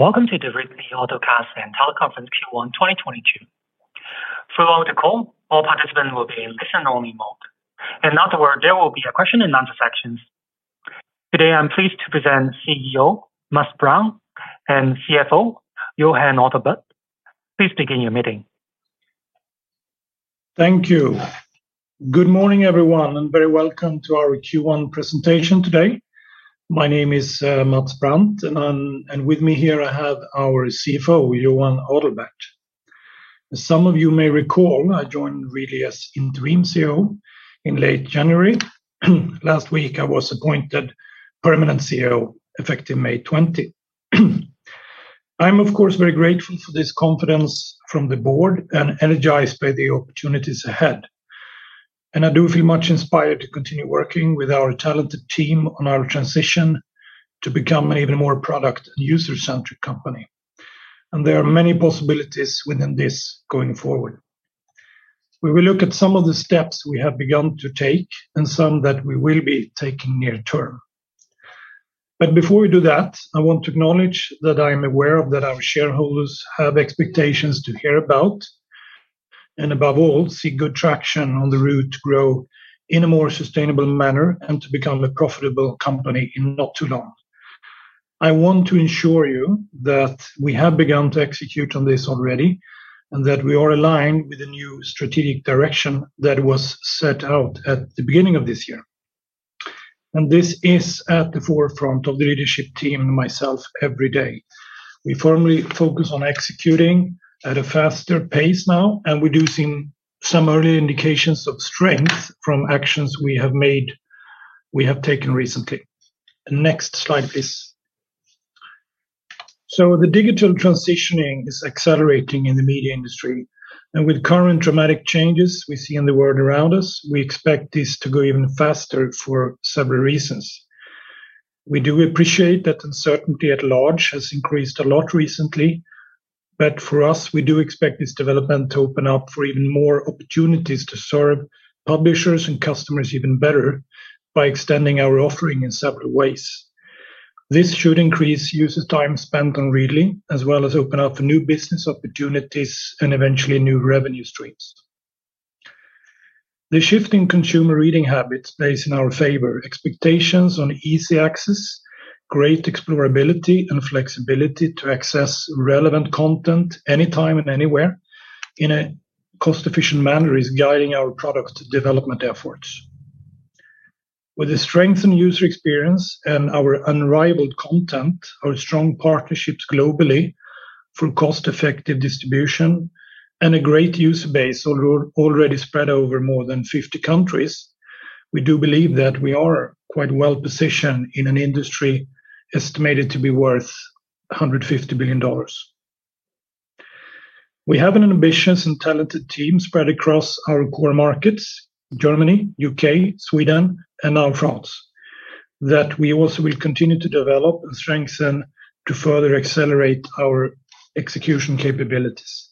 Welcome to the Readly webcast and teleconference Q1 2022. Throughout the call, all participants will be in listen-only mode. In other words, there will be a question & answer section. Today, I'm pleased to present CEO, Mats Brandt, and CFO, Johan Adalberth. Please begin your meeting. Thank you. Good morning, everyone, and very welcome to our Q1 presentation today. My name is Mats Brandt, and with me here, I have our CFO, Johan Adalberth. As some of you may recall, I joined Readly as interim CEO in late January. Last week, I was appointed permanent CEO, effective May 20. I'm, of course, very grateful for this confidence from the board and energized by the opportunities ahead. I do feel much inspired to continue working with our talented team on our transition to become an even more product and user-centric company. There are many possibilities within this going forward. We will look at some of the steps we have begun to take and some that we will be taking near-term. Before we do that, I want to acknowledge that I am aware that our shareholders have expectations to hear about, and above all, see good traction on the route to grow in a more sustainable manner and to become a profitable company in not too long. I want to ensure you that we have begun to execute on this already and that we are aligned with the new strategic direction that was set out at the beginning of this year. This is at the forefront of the leadership team and myself every day. We firmly focus on executing at a faster pace now, and we do see some early indications of strength from actions we have made, we have taken recently. Next slide, please. The digital transitioning is accelerating in the media industry. With current dramatic changes we see in the world around us, we expect this to go even faster for several reasons. We do appreciate that uncertainty at large has increased a lot recently, but for us, we do expect this development to open up for even more opportunities to serve publishers and customers even better by extending our offering in several ways. This should increase user time spent on Readly, as well as open up new business opportunities and eventually new revenue streams. The shift in consumer reading habits plays in our favor. Expectations on easy access, great explorability, and flexibility to access relevant content anytime and anywhere in a cost-efficient manner is guiding our product development efforts. With a strengthened user experience and our unrivaled content, our strong partnerships globally through cost-effective distribution and a great user base already spread over more than 50 countries, we do believe that we are quite well-positioned in an industry estimated to be worth $150 billion. We have an ambitious and talented team spread across our core markets, Germany, UK, Sweden, and now France, that we also will continue to develop and strengthen to further accelerate our execution capabilities.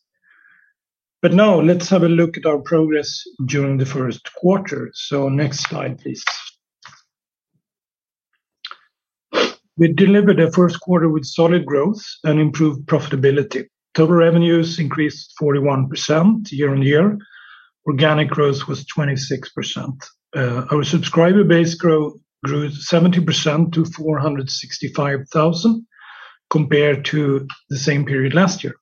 Now let's have a look at our progress during the first quarter. Next slide, please. We delivered a first quarter with solid growth and improved profitability. Total revenues increased 41% year-over-year. Organic growth was 26%. Our subscriber base grew 70% to 465,000 compared to the same period last year.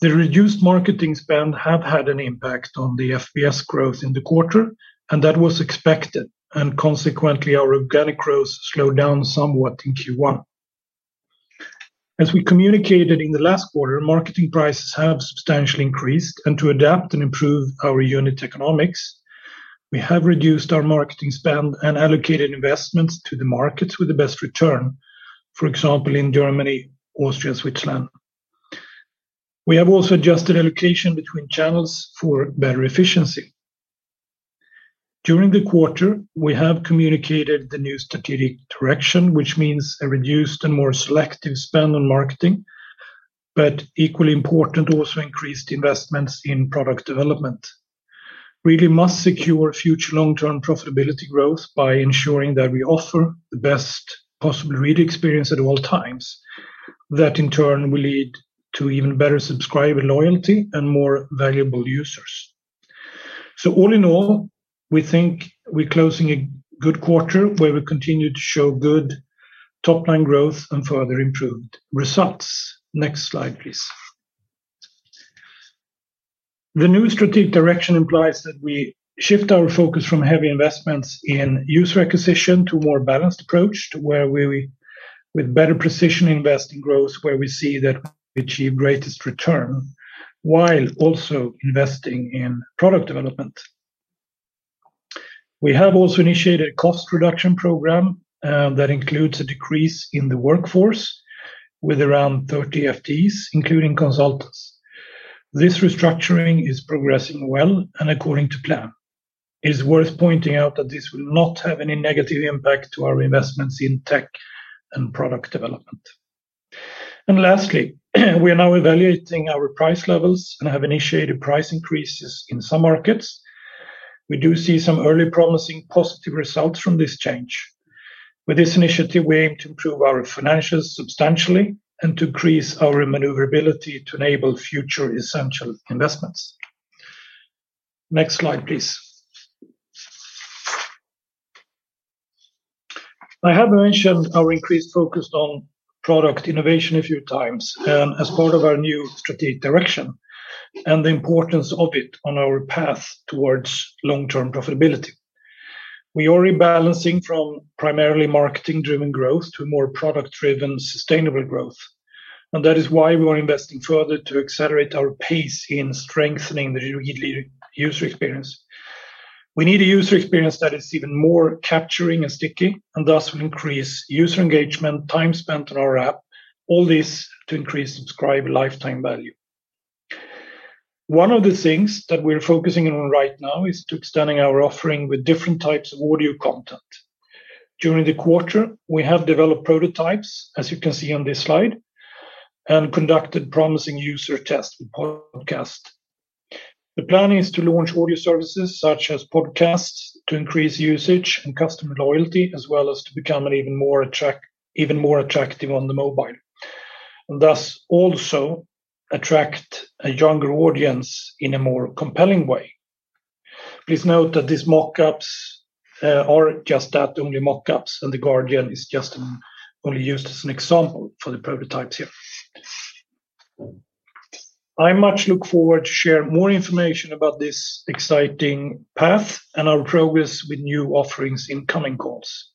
The reduced marketing spend have had an impact on the subs growth in the quarter, and that was expected. Consequently, our organic growth slowed down somewhat in Q1. As we communicated in the last quarter, marketing prices have substantially increased and to adapt and improve our unit economics, we have reduced our marketing spend and allocated investments to the markets with the best return. For example, in Germany, Austria, Switzerland. We have also adjusted allocation between channels for better efficiency. During the quarter, we have communicated the new strategic direction, which means a reduced and more selective spend on marketing, but equally important, also increased investments in product development. Readly must secure future long-term profitability growth by ensuring that we offer the best possible reading experience at all times. That, in turn, will lead to even better subscriber loyalty and more valuable users. All in all, we think we're closing a good quarter where we continue to show good top-line growth and further improved results. Next slide, please. The new strategic direction implies that we shift our focus from heavy investments in user acquisition to a more balanced approach to where we, with better precision, invest in growth, where we see that we achieve greatest return while also investing in product development. We have also initiated a cost reduction program that includes a decrease in the workforce with around 30 FTEs, including consultants. This restructuring is progressing well and according to plan. It is worth pointing out that this will not have any negative impact to our investments in tech and product development. Lastly, we are now evaluating our price levels and have initiated price increases in some markets. We do see some early promising positive results from this change. With this initiative, we aim to improve our financials substantially and to increase our maneuverability to enable future essential investments. Next slide, please. I have mentioned our increased focus on product innovation a few times, as part of our new strategic direction and the importance of it on our path towards long-term profitability. We are rebalancing from primarily marketing-driven growth to more product-driven sustainable growth, and that is why we are investing further to accelerate our pace in strengthening the Readly user experience. We need a user experience that is even more capturing and sticky, and thus will increase user engagement, time spent on our app, all this to increase subscriber lifetime value. One of the things that we're focusing on right now is to extending our offering with different types of audio content. During the quarter, we have developed prototypes, as you can see on this slide, and conducted promising user tests with podcasts. The plan is to launch audio services such as podcasts to increase usage and customer loyalty, as well as to become an even more attractive on the mobile. Thus also attract a younger audience in a more compelling way. Please note that these mock-ups are just that, only mock-ups, and The Guardian is just only used as an example for the prototypes here. I much look forward to share more information about this exciting path and our progress with new offerings in coming calls.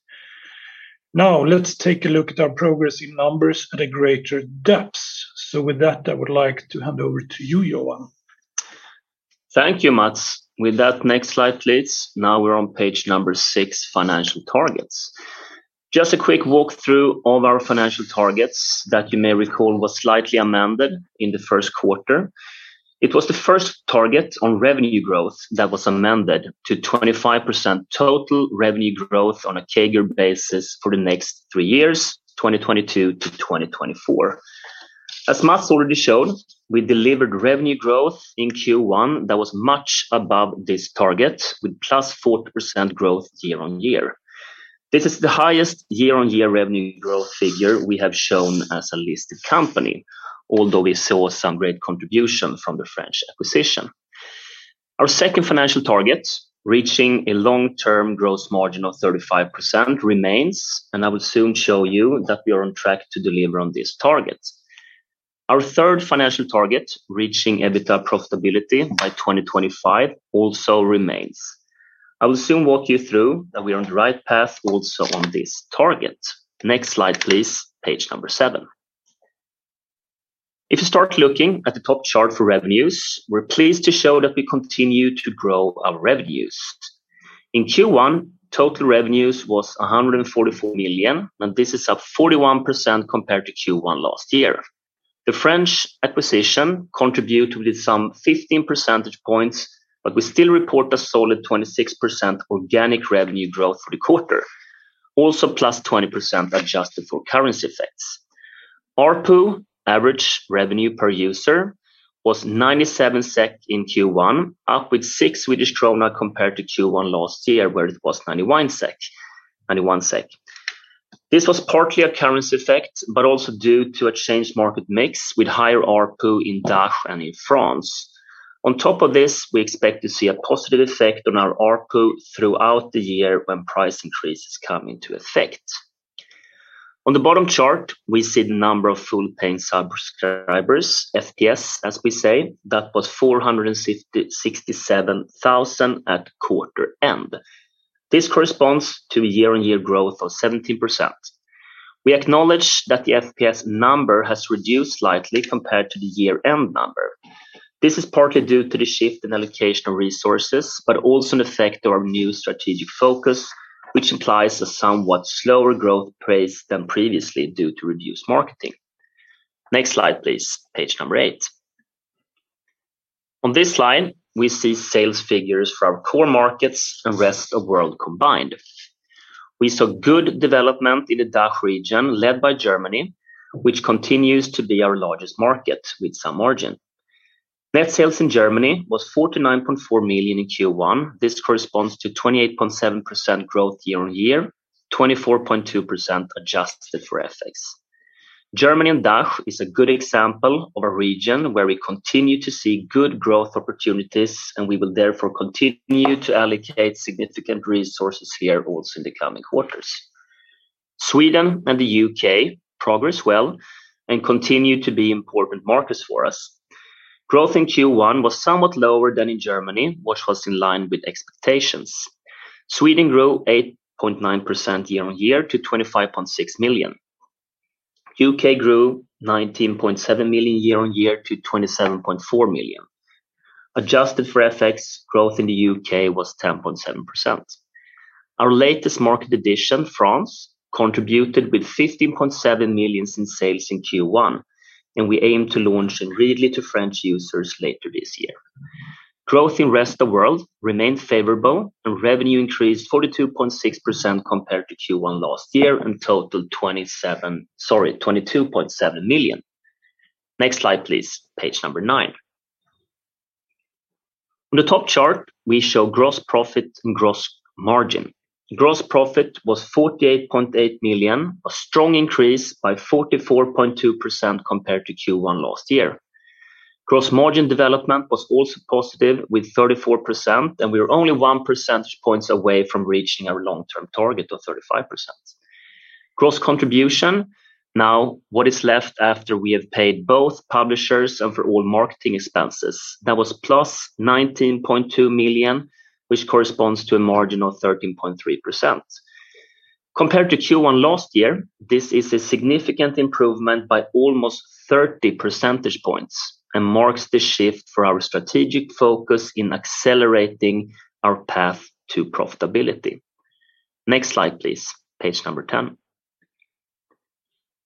Now, let's take a look at our progress in numbers at a greater depth. With that, I would like to hand over to you, Johan. Thank you, Mats. With that, next slide, please. Now we're on page number six, financial targets. Just a quick walk through of our financial targets that you may recall was slightly amended in the first quarter. It was the first target on revenue growth that was amended to 25% total revenue growth on a CAGR basis for the next three years, 2022 to 2024. As Mats already showed, we delivered revenue growth in Q1 that was much above this target with +40% growth year-on-year. This is the highest year-on-year revenue growth figure we have shown as a listed company, although we saw some great contribution from the French acquisition. Our second financial target, reaching a long-term gross margin of 35% remains, and I will soon show you that we are on track to deliver on this target. Our third financial target, reaching EBITDA profitability by 2025, also remains. I will soon walk you through that we are on the right path also on this target. Next slide, please. Page number seven. If you start looking at the top chart for revenues, we're pleased to show that we continue to grow our revenues. In Q1, total revenues was 144 million, and this is up 41% compared to Q1 last year. The French acquisition contributed with some 15 percentage points, but we still report a solid 26% organic revenue growth for the quarter. Also +20% adjusted for currency effects. ARPU, Average Revenue Per User, was 97 SEK in Q1, up with 6 Swedish krona compared to Q1 last year, where it was 91 SEK. This was partly a currency effect, but also due to a changed market mix with higher ARPU in DACH and in France. On top of this, we expect to see a positive effect on our ARPU throughout the year when price increases come into effect. On the bottom chart, we see the number of full paying subscribers, FPS, as we say, that was 466,000 at quarter end. This corresponds to a year-on-year growth of 17%. We acknowledge that the FPS number has reduced slightly compared to the year-end number. This is partly due to the shift in allocation of resources, but also an effect of our new strategic focus, which implies a somewhat slower growth pace than previously due to reduced marketing. Next slide, please. Page number eight. On this slide, we see sales figures for our core markets and rest of world combined. We saw good development in the DACH region led by Germany, which continues to be our largest market with some margin. Net sales in Germany was 49.4 million in Q1. This corresponds to 28.7% growth year-on-year, 24.2% adjusted for FX. Germany and DACH is a good example of a region where we continue to see good growth opportunities, and we will therefore continue to allocate significant resources here also in the coming quarters. Sweden and the UK progress well and continue to be important markets for us. Growth in Q1 was somewhat lower than in Germany, which was in line with expectations. Sweden grew 8.9% year-on-year to 25.6 million. UK grew 19.7% year-on-year to 27.4 million. Adjusted for FX, growth in the UK was 10.7%. Our latest market edition, France, contributed with 15.7 million in sales in Q1, and we aim to launch Readly to French users later this year. Growth in rest of world remained favorable, and revenue increased 42.6% compared to Q1 last year and totaled 22.7 million. Next slide, please. Page nine. On the top chart, we show gross profit and gross margin. Gross profit was 48.8 million, a strong increase by 44.2% compared to Q1 last year. Gross margin development was also positive with 34%, and we are only one percentage points away from reaching our long-term target of 35%. Gross contribution, now what is left after we have paid both publishers and for all marketing expenses, that was +19.2 million, which corresponds to a margin of 13.3%. Compared to Q1 last year, this is a significant improvement by almost 30 percentage points and marks the shift for our strategic focus in accelerating our path to profitability. Next slide, please. Page 10.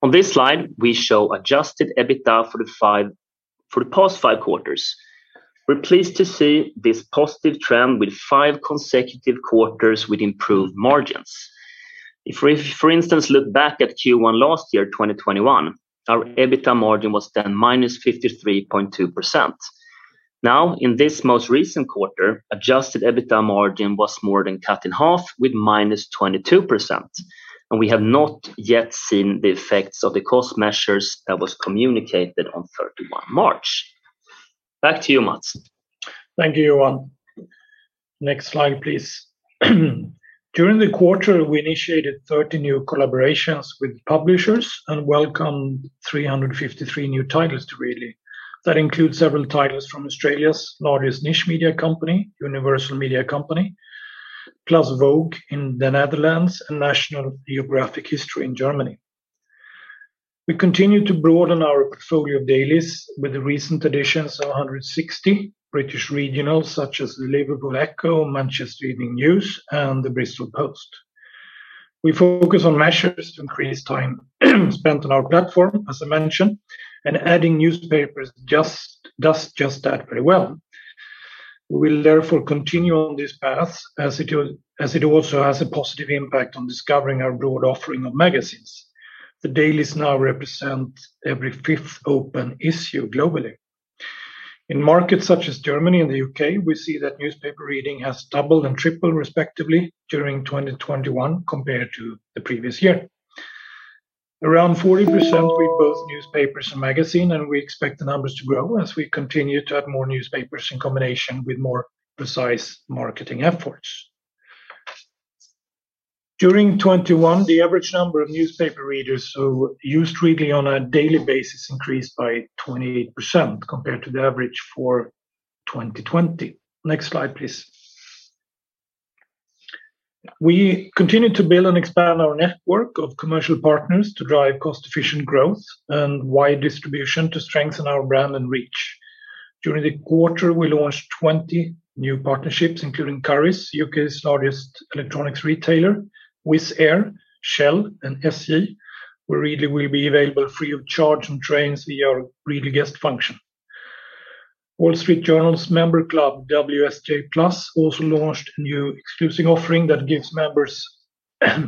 On this slide, we show adjusted EBITDA for the past five quarters. We're pleased to see this positive trend with five consecutive quarters with improved margins. If we, for instance, look back at Q1 last year, 2021, our EBITDA margin was then -53.2%. Now in this most recent quarter, adjusted EBITDA margin was more than cut in half with -22%, and we have not yet seen the effects of the cost measures that was communicated on 31st March. Back to you, Mats. Thank you, Johan. Next slide, please. During the quarter, we initiated 30 new collaborations with publishers and welcomed 353 new titles to Readly. That includes several titles from Australia's largest niche media company, Universal Media Co, plus Vogue in the Netherlands, and National Geographic History in Germany. We continue to broaden our portfolio of dailies with the recent additions of 160 British regionals, such as the Liverpool Echo, Manchester Evening News, and the Bristol Post. We focus on measures to increase time spent on our platform, as I mentioned, and adding newspapers just does that very well. We will therefore continue on this path as it also has a positive impact on discovering our broad offering of magazines. The dailies now represent every fifth open issue globally. In markets such as Germany and the U.K., we see that newspaper reading has doubled and tripled, respectively, during 2021 compared to the previous year. Around 40% read both newspapers and magazine, and we expect the numbers to grow as we continue to add more newspapers in combination with more precise marketing efforts. During 2021, the average number of newspaper readers who used Readly on a daily basis increased by 28% compared to the average for 2020. Next slide, please. We continue to build and expand our network of commercial partners to drive cost-efficient growth and wide distribution to strengthen our brand and reach. During the quarter, we launched 20 new partnerships, including Currys, U.K.'s largest electronics retailer, Wizz Air, Shell, and SJ, where Readly will be available free of charge on trains via our Readly Guest function. Wall Street Journal's member club, WSJ+, also launched a new exclusive offering that gives members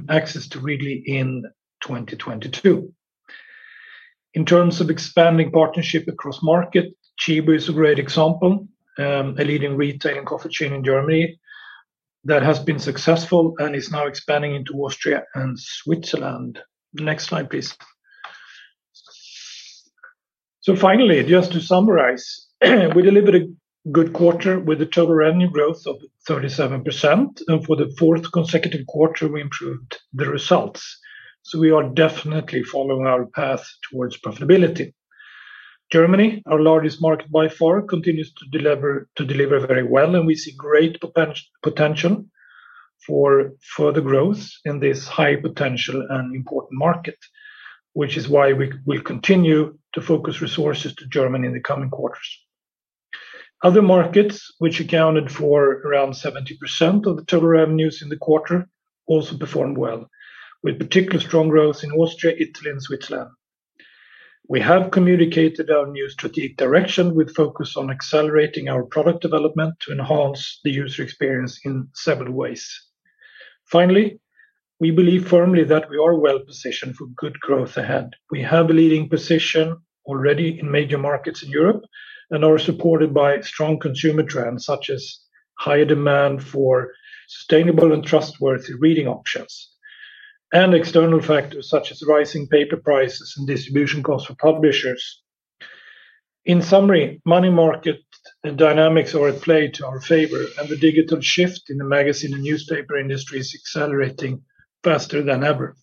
access to Readly in 2022. In terms of expanding partnership across market, Tchibo is a great example, a leading retail and coffee chain in Germany that has been successful and is now expanding into Austria and Switzerland. Next slide, please. Finally, just to summarize, we delivered a good quarter with a total revenue growth of 37%. For the fourth consecutive quarter, we improved the results. We are definitely following our path towards profitability. Germany, our largest market by far, continues to deliver very well, and we see great potential for further growth in this high potential and important market, which is why we continue to focus resources to Germany in the coming quarters. Other markets, which accounted for around 70% of the total revenues in the quarter, also performed well, with particular strong growth in Austria, Italy, and Switzerland. We have communicated our new strategic direction with focus on accelerating our product development to enhance the user experience in several ways. Finally, we believe firmly that we are well-positioned for good growth ahead. We have a leading position already in major markets in Europe and are supported by strong consumer trends, such as higher demand for sustainable and trustworthy reading options, and external factors such as rising paper prices and distribution costs for publishers. In summary, money market dynamics are at play to our favor, and the digital shift in the magazine and newspaper industry is accelerating faster than ever.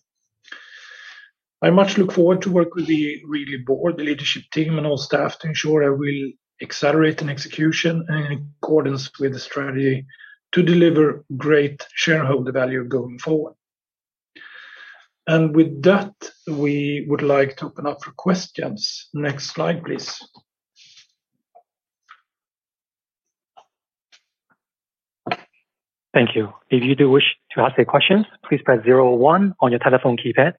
I much look forward to work with the Readly board, the leadership team, and all staff to ensure I will accelerate in execution and in accordance with the strategy to deliver great shareholder value going forward. With that, we would like to open up for questions. Next slide, please. Thank you. If you do wish to ask a question, please press zero one on your telephone keypad.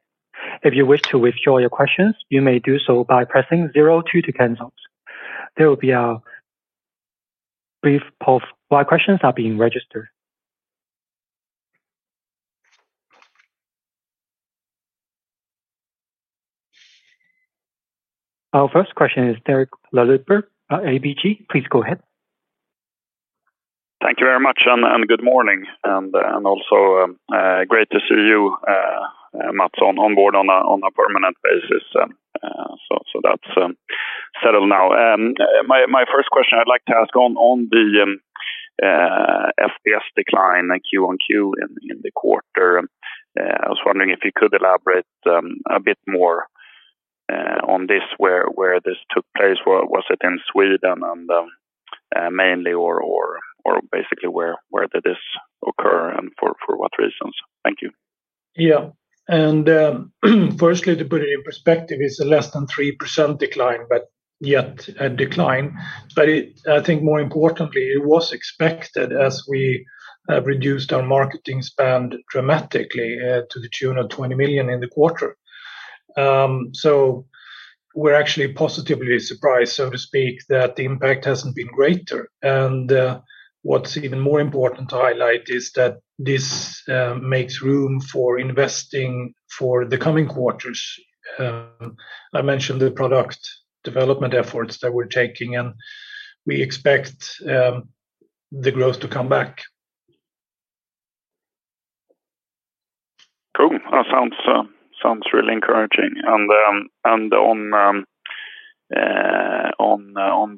If you wish to withdraw your questions, you may do so by pressing zero two to cancel. There will be a brief pause while questions are being registered. Our first question is Derek Laliberté, ABG. Please go ahead. Thank you very much, and good morning. Also great to see you, Mats on board on a permanent basis. That's settled now. My first question I'd like to ask on the FPS decline, like Q on Q in the quarter. I was wondering if you could elaborate a bit more on this where this took place. Was it in Sweden and mainly or basically where did this occur and for what reasons? Thank you. Yeah. Firstly to put it in perspective, it's less than 3% decline, but yet a decline. I think more importantly, it was expected as we reduced our marketing spend dramatically to the tune of 20 million in the quarter. We're actually positively surprised, so to speak, that the impact hasn't been greater. What's even more important to highlight is that this makes room for investing for the coming quarters. I mentioned the product development efforts that we're taking, and we expect the growth to come back. Cool. That sounds really encouraging. On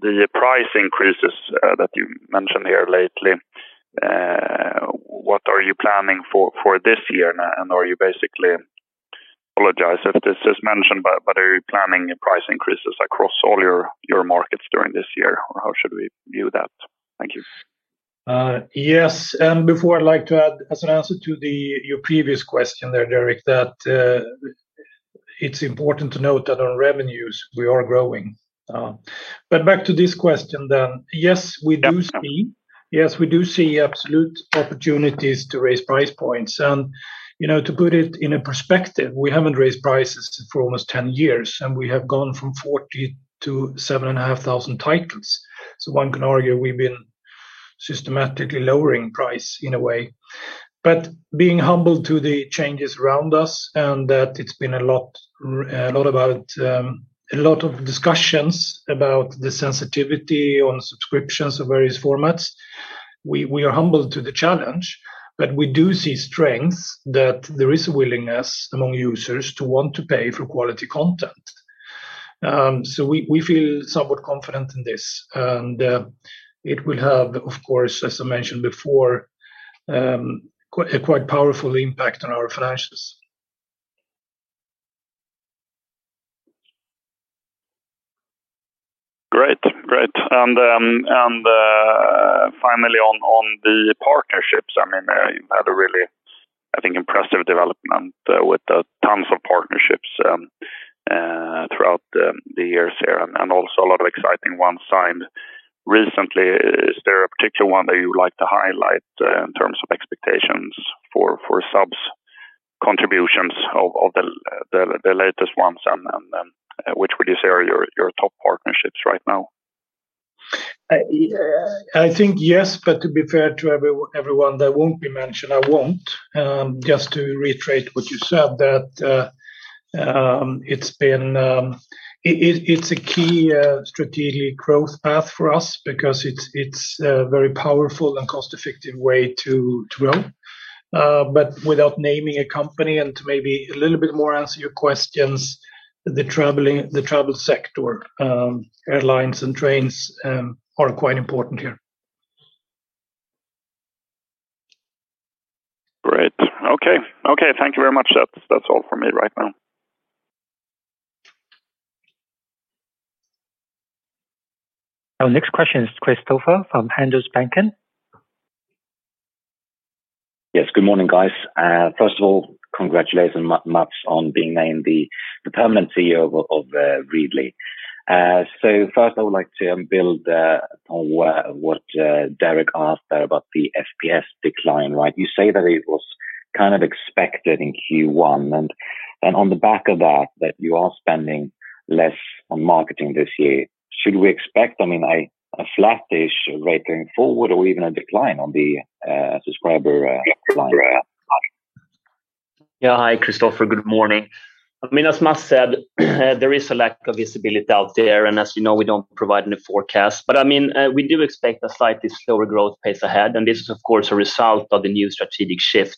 the price increases that you mentioned here lately, what are you planning for this year? Apologize if this is mentioned, but are you planning price increases across all your markets during this year, or how should we view that? Thank you. Yes. Before I'd like to add as an answer to your previous question there, Derek, that it's important to note that on revenues we are growing. Back to this question then. Yes, we do see. Yeah. Yes, we do see absolute opportunities to raise price points. You know, to put it in a perspective, we haven't raised prices for almost 10 years, and we have gone from 40 to 7,500 titles. One can argue we've been systematically lowering price in a way. Being humble to the changes around us and that it's been a lot about a lot of discussions about the sensitivity on subscriptions of various formats. We are humble to the challenge, but we do see strengths that there is a willingness among users to want to pay for quality content. We feel somewhat confident in this. It will have, of course, as I mentioned before, quite powerful impact on our finances. Great. Finally on the partnerships, I mean, you had a really, I think, impressive development with tons of partnerships throughout the years here and also a lot of exciting ones signed recently. Is there a particular one that you would like to highlight in terms of expectations for subs contributions of the latest ones and which would you say are your top partnerships right now? I think yes, but to be fair to everyone that won't be mentioned, I won't. Just to reiterate what you said, that it's a key strategic growth path for us because it's a very powerful and cost-effective way to own. But without naming a company and maybe a little bit more answer your questions, the travel sector, airlines and trains, are quite important here. Great. Okay. Okay, thank you very much. That's all for me right now. Our next question is Christoffer Bjärn-Sjöquist from Handelsbanken. Yes. Good morning, guys. First of all, congratulations, Mats, on being named the permanent CEO of Readly. First I would like to build on what Derek asked there about the FPS decline, right? You say that it was kind of expected in Q1. On the back of that, you are spending less on marketing this year, should we expect, I mean, a flat-ish rate going forward or even a decline on the subscriber line? Yeah. Hi, Christoffer. Good morning. I mean, as Mats said, there is a lack of visibility out there, and as you know, we don't provide any forecast. I mean, we do expect a slightly slower growth pace ahead, and this is of course a result of the new strategic shift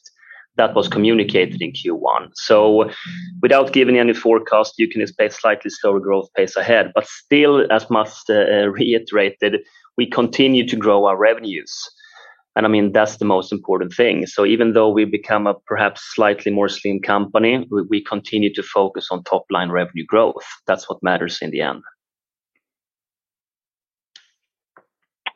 that was communicated in Q1. Without giving any forecast, you can expect slightly slower growth pace ahead. Still, as Mats reiterated, we continue to grow our revenues. I mean, that's the most important thing. Even though we've become a perhaps slightly more slim company, we continue to focus on top line revenue growth. That's what matters in the end.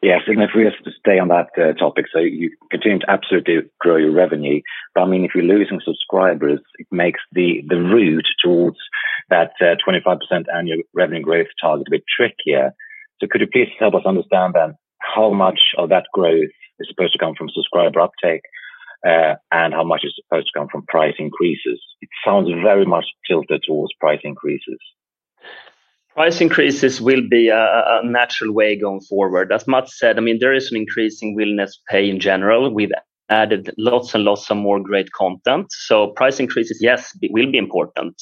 If we have to stay on that topic, you continue to absolutely grow your revenue. I mean, if you're losing subscribers, it makes the route towards that 25% annual revenue growth target a bit trickier. Could you please help us understand then how much of that growth is supposed to come from subscriber uptake, and how much is supposed to come from price increases? It sounds very much tilted towards price increases. Price increases will be a natural way going forward. As Mats said, I mean, there is an increasing willingness to pay in general. We've added lots and lots of more great content. Price increases, yes, it will be important.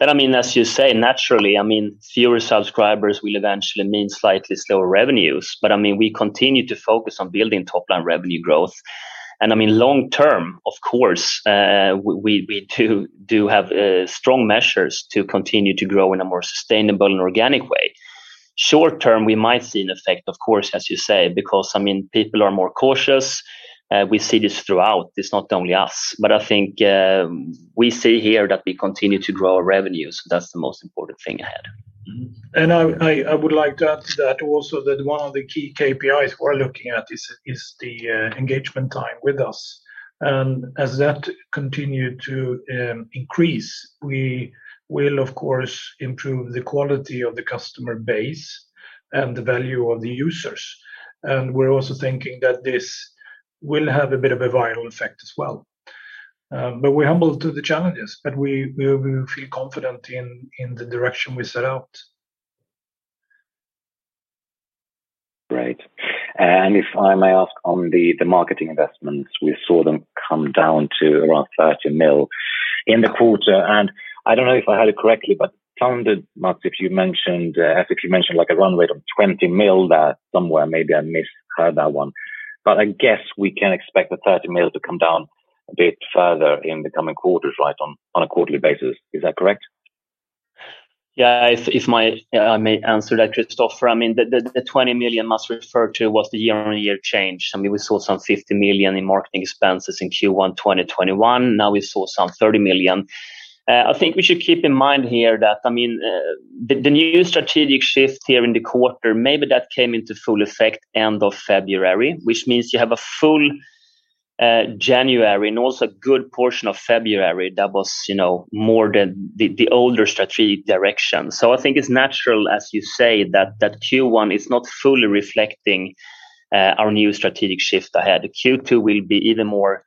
I mean, as you say, naturally, I mean, fewer subscribers will eventually mean slightly slower revenues. I mean, we continue to focus on building top-line revenue growth. I mean, long term, of course, we do have strong measures to continue to grow in a more sustainable and organic way. Short term, we might see an effect, of course, as you say, because, I mean, people are more cautious, we see this throughout, it's not only us. I think, we see here that we continue to grow our revenues. That's the most important thing ahead. I would like to add to that also that one of the key KPIs we're looking at is the engagement time with us. As that continue to increase, we will, of course, improve the quality of the customer base and the value of the users. We're also thinking that this will have a bit of a viral effect as well. We're humble to the challenges, but we feel confident in the direction we set out. Great. If I may ask on the marketing investments, we saw them come down to around 30 million in the quarter. I don't know if I heard it correctly, but sounded like you mentioned, Mats, a run rate of 20 million there somewhere, maybe I misheard that one. I guess we can expect the 30 million to come down a bit further in the coming quarters, right, on a quarterly basis. Is that correct? Yeah. If I may answer that, Christoffer. I mean, the 20 million Mats referred to was the year-on-year change. I mean, we saw some 50 million in marketing expenses in Q1 2021. Now we saw some 30 million. I think we should keep in mind here that, I mean, the new strategic shift here in the quarter, maybe that came into full effect end of February, which means you have a full January and also a good portion of February that was, you know, more the older strategic direction. I think it's natural, as you say, that Q1 is not fully reflecting our new strategic shift ahead. Q2 will be even more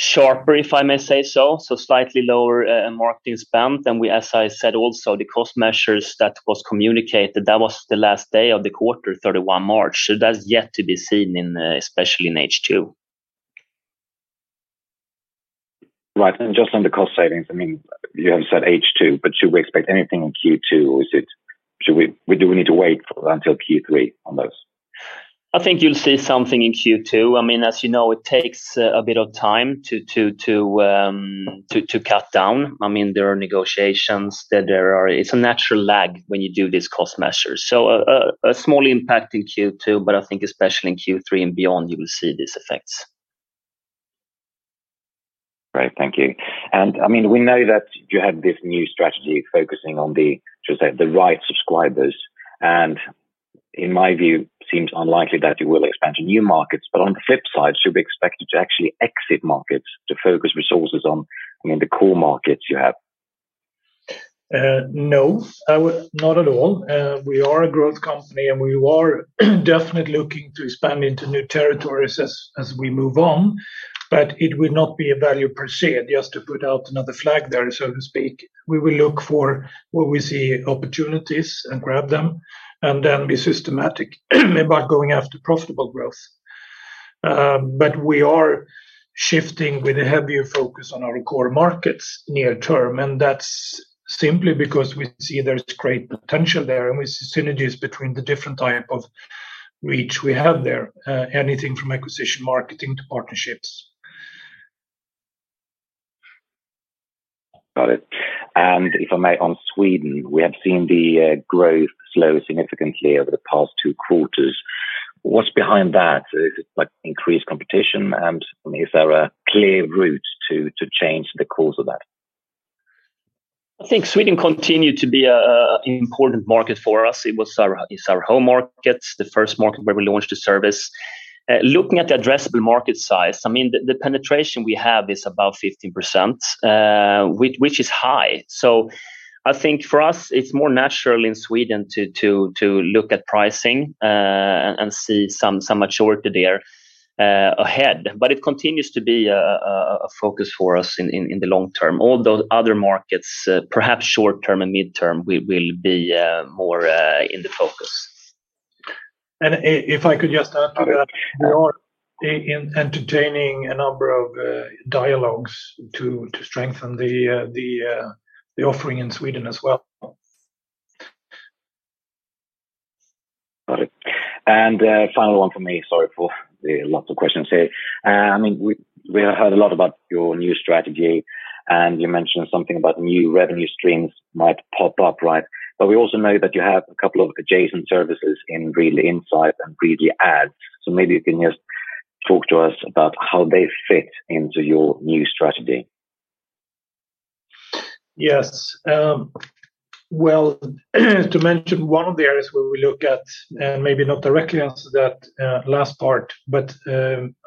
sharper, if I may say so slightly lower marketing spend. As I said, also, the cost measures that was communicated, that was the last day of the quarter, 31st March. That's yet to be seen in, especially in H2. Right. Just on the cost savings, I mean, you have said H2, but should we expect anything in Q2 or do we need to wait until Q3 on those? I think you'll see something in Q2. I mean, as you know, it takes a bit of time to cut down. I mean, there are negotiations. It's a natural lag when you do this cost measure. A small impact in Q2, but I think especially in Q3 and beyond, you will see these effects. Right. Thank you. I mean, we know that you have this new strategy focusing on the right subscribers. In my view, seems unlikely that you will expand to new markets. On the flip side, should we expect you to actually exit markets to focus resources on, I mean, the core markets you have? No, I would not at all. We are a growth company, and we are definitely looking to expand into new territories as we move on. It would not be a value per se, just to put out another flag there, so to speak. We will look for where we see opportunities and grab them and then be systematic about going after profitable growth. We are shifting with a heavier focus on our core markets near term, and that's simply because we see there's great potential there and we see synergies between the different type of reach we have there, anything from acquisition marketing to partnerships. Got it. If I may, on Sweden, we have seen the growth slow significantly over the past two quarters. What's behind that? Is it, like, increased competition? I mean, is there a clear route to change the course of that? I think Sweden continue to be a important market for us. It's our home market, the first market where we launched the service. Looking at the addressable market size, I mean, the penetration we have is about 15%, which is high. I think for us, it's more natural in Sweden to look at pricing and see some maturity there ahead. It continues to be a focus for us in the long term. Although other markets, perhaps short term and midterm will be more in the focus. If I could just add to that, we are entertaining a number of dialogues to strengthen the offering in Sweden as well. Got it. Final one for me. Sorry for the lots of questions here. I mean, we have heard a lot about your new strategy, and you mentioned something about new revenue streams might pop up, right? We also know that you have a couple of adjacent services in Readly Insight and Readly Ads. Maybe you can just talk to us about how they fit into your new strategy. Yes. Well, to mention one of the areas where we look at, maybe not directly answer that last part, but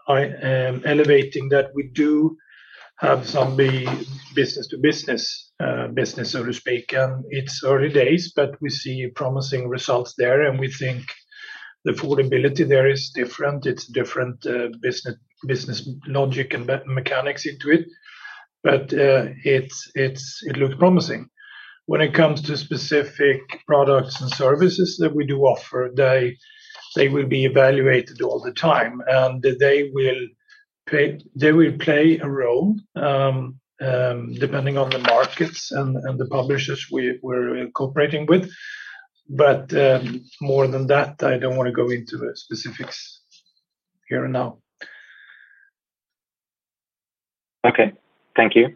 I am elevating that we do have some business to business business, so to speak. It's early days, but we see promising results there, and we think the affordability there is different. It's different business logic and mechanics into it. It looks promising. When it comes to specific products and services that we do offer, they will be evaluated all the time, and they will play a role, depending on the markets and the publishers we're incorporating with. More than that, I don't wanna go into specifics here and now. Okay. Thank you.